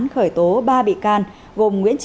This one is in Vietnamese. để khởi tố ba bị can